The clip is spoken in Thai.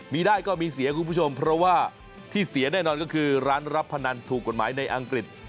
มีได้ก็มีเสียคุณผู้ชมเพราะว่าที่เสียแน่นอนก็คือร้านรับพนันถูกกฎหมายในอังกฤษ